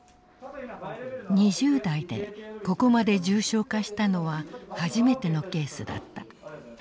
２０代でここまで重症化したのは初めてのケースだった。